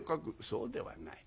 「そうではない。